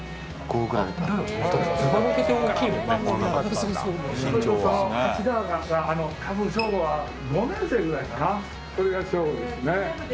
これが翔吾ですね。